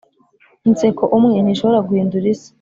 inseko umwe ntishobora guhindura isi,